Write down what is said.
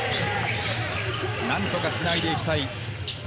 何とかつないでいきたい。